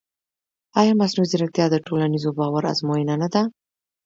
ایا مصنوعي ځیرکتیا د ټولنیز باور ازموینه نه ده؟